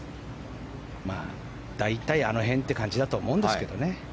まあ、大体あの辺って感じだと思うんですけどね。